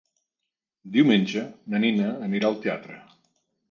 Diumenge na Nina anirà al teatre.